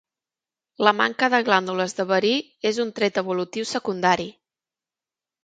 La manca de glàndules de verí és un tret evolutiu secundari.